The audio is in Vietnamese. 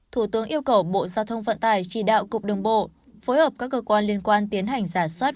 thủ tướng yêu cầu bộ giao thông vận tải chỉ đạo cục đường bộ phối hợp các cơ quan liên quan tiến hành giả soát